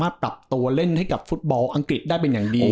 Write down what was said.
ปรับตัวเล่นให้กับฟุตบอลอังกฤษได้เป็นอย่างดี